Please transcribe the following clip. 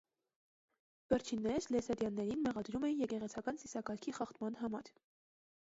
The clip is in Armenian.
Վերջիններս լեսադիաններին մեղադրում էին եկեղեցական ծիսակարգի խախտման համար։